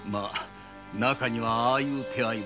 中にはああいう手合いも。